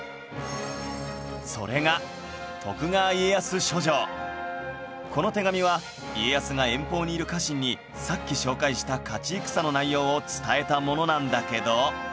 それがこの手紙は家康が遠方にいる家臣にさっき紹介した勝ち戦の内容を伝えたものなんだけど